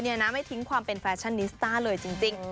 เนี่ยนะไม่ทิ้งความเป็นแฟชั่นนิสตาร์เลยจริง